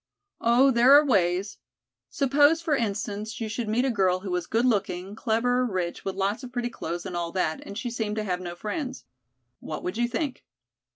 "Oh, there are ways. Suppose, for instance, you should meet a girl who was good looking, clever, rich, with lots of pretty clothes, and all that, and she seemed to have no friends. What would you think?"